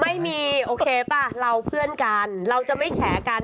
ไม่มีโอเคป่ะเราเพื่อนกันเราจะไม่แฉกัน